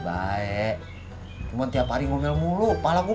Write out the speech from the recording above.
baik cuman tiap hari ngomel mulu palang gue